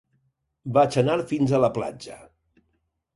Vaig anar fins a la platja